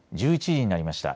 １１時になりました。